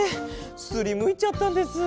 すりむいちゃったんです。